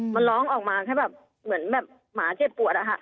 มันร้องออกมาแค่แบบเหมือนแบบหมาเจ็บปวดอะค่ะ